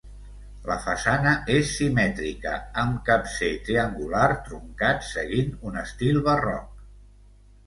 La façana és simètrica amb capcer triangular truncat, seguint un estil barroc.